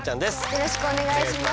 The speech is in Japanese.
よろしくお願いします。